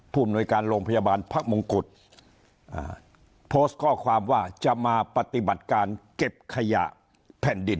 อำนวยการโรงพยาบาลพระมงกุฎโพสต์ข้อความว่าจะมาปฏิบัติการเก็บขยะแผ่นดิน